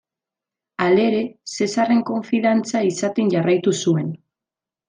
Halere, Zesarren konfidantza izaten jarraitu zuen.